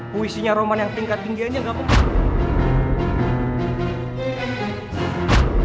kuisinya roman yang tingkat tingginya nggak